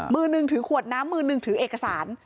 มือหนึ่งถือขวดน้ำมือหนึ่งถือเอกสาร